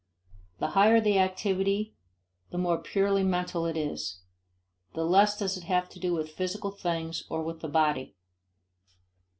The higher the activity the more purely mental is it; the less does it have to do with physical things or with the body.